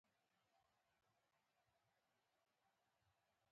فرهنګي کمیټه کتابونه به خپروي.